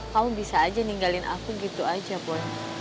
kamu bisa aja ninggalin aku gitu aja buat